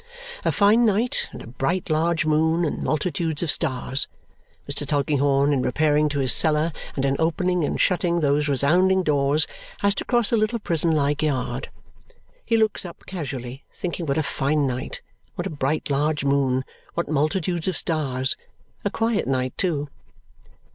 A fine night, and a bright large moon, and multitudes of stars. Mr. Tulkinghorn, in repairing to his cellar and in opening and shutting those resounding doors, has to cross a little prison like yard. He looks up casually, thinking what a fine night, what a bright large moon, what multitudes of stars! A quiet night, too.